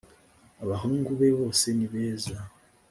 abahungu be bose nibeza